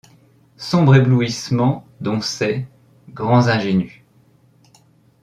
Sombre éblouissement dont ces. grands ingénus